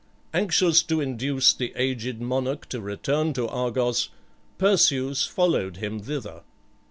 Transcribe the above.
Anxious to induce the aged monarch to return to Argos, Perseus followed him thither.